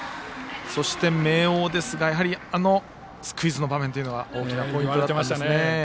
そして、明桜ですがあのスクイズの場面というのは大きなポイントだったんですね。